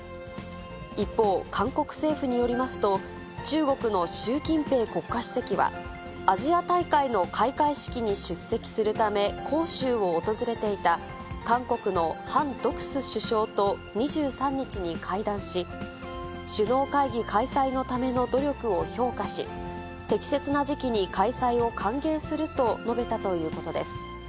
一方、韓国政府によりますと、中国の習近平国家主席は、アジア大会の開会式に出席するため、こうしゅうを訪れていた韓国のハン・ドクス首相と２３日に会談し、首脳会議開催のための努力を評価し、適切な時期に開催を歓迎すると述べたということです。